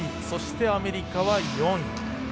そして、アメリカは４位。